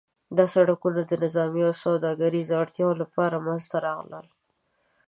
دا سړکونه د نظامي او سوداګریز اړتیاوو لپاره منځته راغلل.